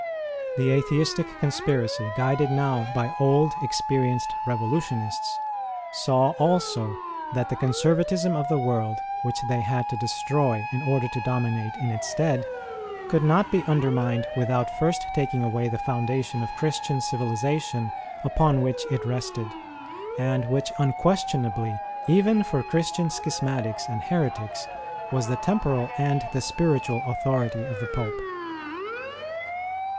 The Atheistic conspiracy, guided now by old, experienced revolutionists, saw also that the conservatism of the world which they had to destroy in order to dominate in its stead, could not be undermined without first taking away the foundation of Christian civilization upon which it rested, and which unquestion ably, even for Christian schismatics and heretics, was the temporal and the spiritual authority of the Pope.